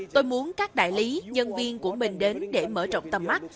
tôi muốn các đại lý nhân viên của mình đến để mở rộng tầm mắt